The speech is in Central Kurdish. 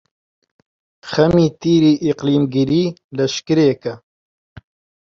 خەمی تیری ئیقلیمگیری لەشکرێکە،